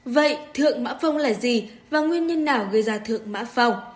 vậy thượng mã phong là gì và nguyên nhân nào gây ra thượng mã phong